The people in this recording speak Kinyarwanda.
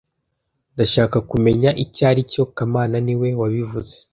Ndashaka kumenya icyo aricyo kamana niwe wabivuze